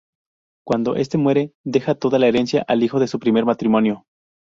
Cuando este muere, deja toda la herencia al hijo de su primer matrimonio.